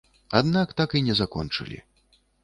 Аднак так і не закончылі.